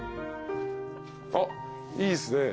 あっいいですね。